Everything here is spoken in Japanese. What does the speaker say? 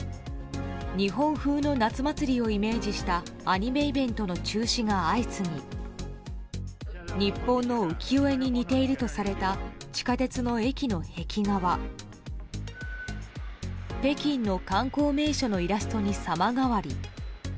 日本風の夏祭りをイメージしたアニメイベントの中止が相次ぎ日本の浮世絵に似ているとされた地下鉄の駅の壁画は北京の観光名所のイラストに様変わり。